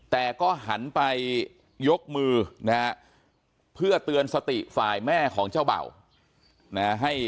แต่ก็หันไปยกมือนะฮะเพื่อเตือนสติฝ่ายแม่ของเจ้าเบ่านะ